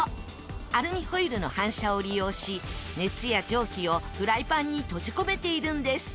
アルミホイルの反射を利用し熱や蒸気をフライパンに閉じ込めているんです。